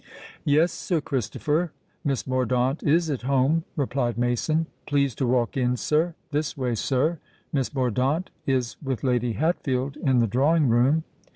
"Yes, Sir Christopher—Miss Mordaunt is at home," replied Mason. "Please to walk in, sir. This way, sir—Miss Mordaunt is with Lady Hatfield in the drawing room."